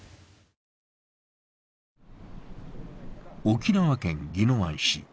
沖縄県宜野湾市。